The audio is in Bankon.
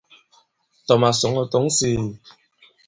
Tɔ̀ màsɔ̌ŋ ɔ̀ tɔ̌ŋ sēē.